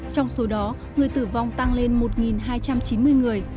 trong số đó người tử vong tăng lên một hai trăm chín mươi người